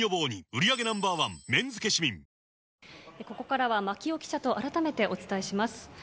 ここからは牧尾記者と改めてお伝えします。